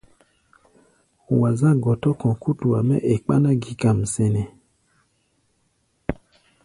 Wa zá̧ gɔtɔ-kɔ̧ kútua mɛ́ e kpáná-gi-kam sɛnɛ́.